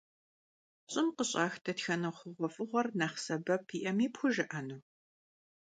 ЩӀым къыщӀах дэтхэнэ хъугъуэфӀыгъуэр нэхъ сэбэп иӀэми пхужыӀэну?